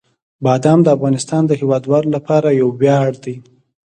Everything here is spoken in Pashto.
بادام د افغانستان د هیوادوالو لپاره یو ویاړ دی.